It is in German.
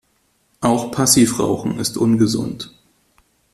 Auch Passivrauchen ist ungesund.